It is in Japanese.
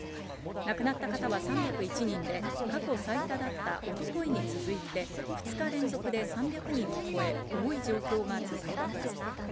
亡くなった方は３０１人で、過去最多だった一昨日に続いて、２日連続で３００人を超え、多い状況が続いています。